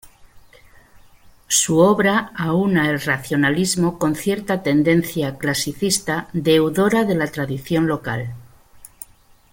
Su obra aúna el racionalismo con cierta tendencia clasicista deudora de la tradición local.